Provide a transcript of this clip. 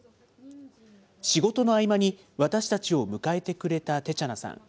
仕事の合間に、私たちを迎えてくれたテチャナさん。